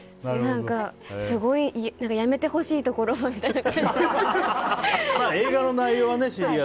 すごいやめてほしいところみたいな。